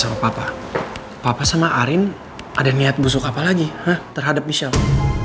sama papa sama arin ada niat busuk apa lagi terhadap michelle